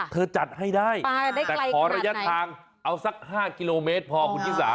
เธอจัดให้ได้ไปได้ไกลขนาดไหนแต่ขอระยะทางเอาสักห้ากิโลเมตรพอคุณกิ้งสา